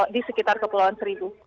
di sekitar kepulauan seribu